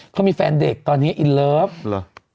เขามีแฟนเด็กตอนนี้อินรัด